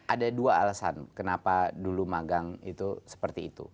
ada dua alasan kenapa dulu magang itu seperti itu